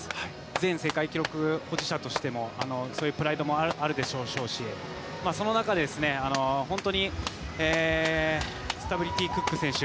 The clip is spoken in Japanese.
前世界記録保持者としてのプライドもあるでしょうしその中でスタブルティ・クック選手